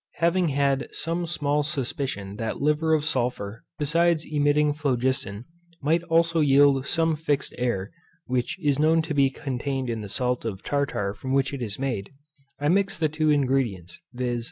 Having had some small suspicion that liver of sulphur, besides emitting phlogiston, might also yield some fixed air (which is known to be contained in the salt of tartar from which it is made) I mixed the two ingredients, viz.